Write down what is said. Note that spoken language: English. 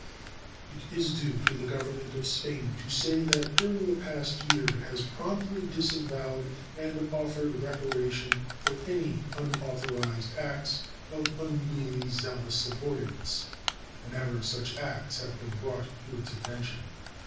It is due to the Government of Spain to say that during the past year it has promptly disavowed and offered reparation for any unauthorized acts of unduly zealous subordinates whenever such acts have been brought to its attention.